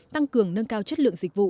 tăng cường nâng cao chất lượng dịch vụ